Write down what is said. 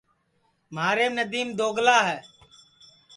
مھاریم ندیم دوگلا ہے